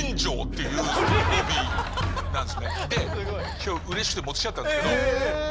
今日うれしくて持ってきちゃったんですけど。